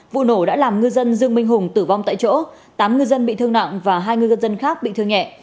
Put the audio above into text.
vụ nổ đã làm ngư dân dương minh hùng tử vong tại chỗ tám ngư dân bị thương nặng và hai ngư dân khác bị thương nhẹ